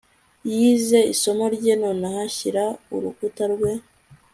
yize isomo rye nonaha, shyira urukuta rwe